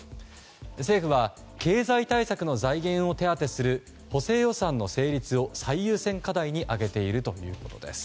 政府は経済対策の財源を手上げする補正予算の成立を最優先課題に挙げているということです。